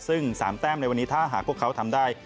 ซึ่ง๓แต้มในวันนี้ถ้าหากพวกเขาทำได้